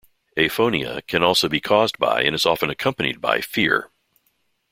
Aphonia can also be caused by and is often accompanied by fear.